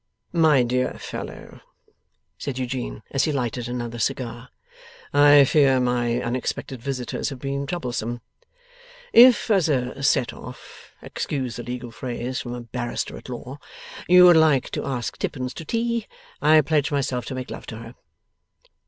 'My dear fellow,' said Eugene, as he lighted another cigar, 'I fear my unexpected visitors have been troublesome. If as a set off (excuse the legal phrase from a barrister at law) you would like to ask Tippins to tea, I pledge myself to make love to her.